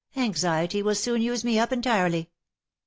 Anxiety will soon use me up entirely."